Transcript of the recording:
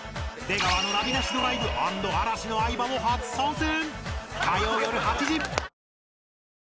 出川のナビなしドライブ＆嵐の相葉も初参戦